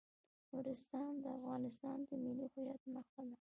نورستان د افغانستان د ملي هویت نښه ده.